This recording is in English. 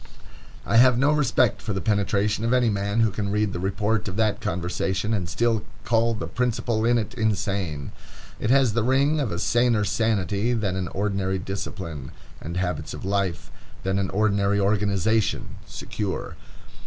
I have no respect for the penetration of any man who can read the report of that conversation, and still call the principal in it insane. It has the ring of a saner sanity than an ordinary discipline and habits of life, than an ordinary organization, secure.